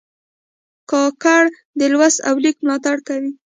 کاکړ د لوست او لیک ملاتړ کوي.